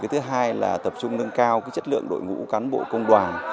thứ hai là tập trung nâng cao chất lượng đội ngũ cán bộ công đoàn